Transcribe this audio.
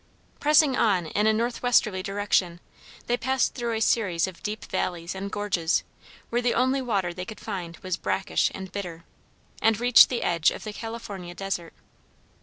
Pressing on in a northwesterly direction they passed through a series of deep valleys and gorges where the only water they could find was brackish and bitter, and reached the edge of the California desert.